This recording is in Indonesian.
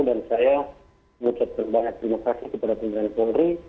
dan saya ucapkan banyak terima kasih kepada pemerintah polri